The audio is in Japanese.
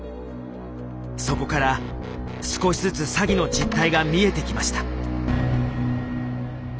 そこから少しずつ詐欺の実態が見えてきました。